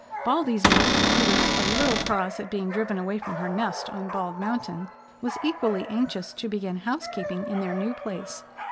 Baldy's mate, who was a little cross at being driven away from her nest on Bald Mountain, was equally anxious to begin housekeeping in their new place.